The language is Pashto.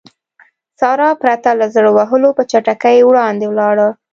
سارا پرته له زړه وهلو په چټکۍ وړاندې ولاړه.